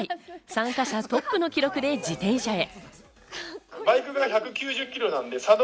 参加者トップの記録で自転車へ。